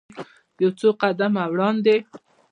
یو څو قدمه وړاندې.